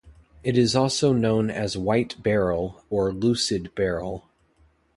It is also known as white beryl or lucid beryl.